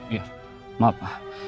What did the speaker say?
iya maaf pak